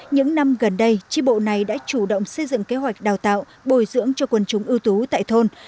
những năm gần đây tri bộ này đã chủ động xây dựng kế hoạch đào tạo bồi dưỡng cho quân chúng ưu tú tại thôn